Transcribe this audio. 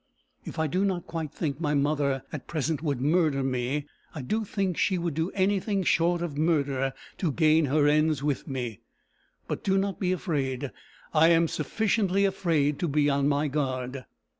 If I do not quite think my mother, at present, would murder me, I do think she would do anything short of murder to gain her ends with me. But do not be afraid; I am sufficiently afraid to be on my guard.